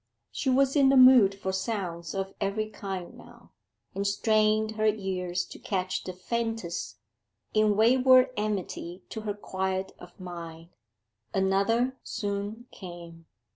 She was in the mood for sounds of every kind now, and strained her ears to catch the faintest, in wayward enmity to her quiet of mind. Another soon came.